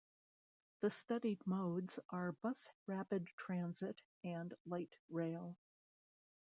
The studied modes are Bus Rapid Transit and Light Rail.